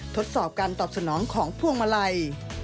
ทดสอบการตอบสนองของพวงมาลัย